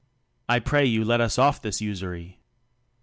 I pray you let us leave off this usury.